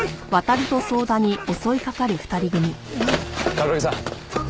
冠城さん。